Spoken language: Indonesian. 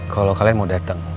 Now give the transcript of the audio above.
kalau kalian mau datang